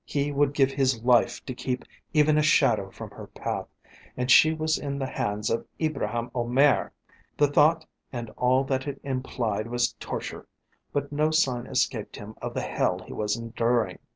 He would give his life to keep even a shadow from her path, and she was in the hands of Ibraheim Omair! The thought and all that it implied was torture, but no sign escaped him of the hell he was enduring.